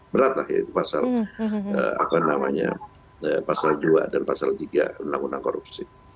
berat lah yaitu pasal apa namanya pasal dua dan pasal tiga undang undang korupsi